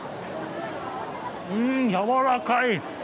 うーん、やわらかい！